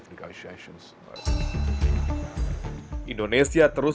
dan saya pikir indonesia harus